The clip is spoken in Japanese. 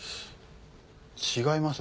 違いますね。